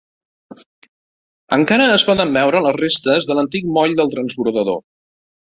Encara es poden veure les restes de l'antic moll del transbordador.